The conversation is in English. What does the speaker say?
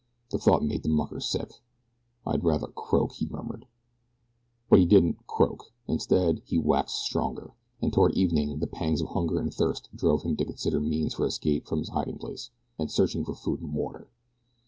The thought made the mucker sick. "I'd rather croak," he murmured. But he didn't "croak" instead, he waxed stronger, and toward evening the pangs of hunger and thirst drove him to consider means for escaping from his hiding place, and searching for food and water.